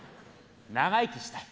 長生きしたい。